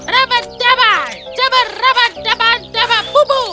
rabat rabat rabat rabat rabat rabat